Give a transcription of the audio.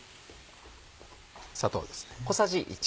砂糖です。